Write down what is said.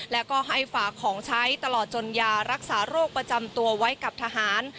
และก็ให้ฝากของใช้ตลอดจนยารักษาโรคประจำตัวไว้กับทหาร